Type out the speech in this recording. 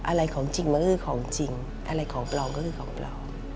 อะไรของจริงมันก็คือของจริงอะไรของปลอมก็คือของปลอม